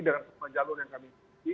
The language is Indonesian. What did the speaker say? dengan semua jalur yang kami miliki